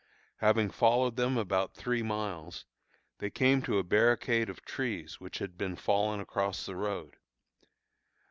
Having followed them about three miles, they came to a barricade of trees which had been fallen across the road.